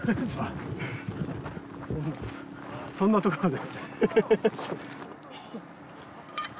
そんなとこまで？